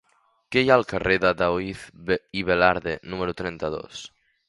Què hi ha al carrer de Daoíz i Velarde número trenta-dos?